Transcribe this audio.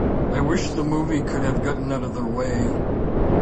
I wish the movie could have gotten out of their way.